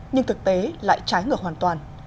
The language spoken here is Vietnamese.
nhưng thực tế lại trái ngược hoàn toàn